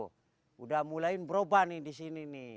sudah mulai berubah nih di sini nih